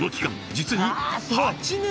実に８年！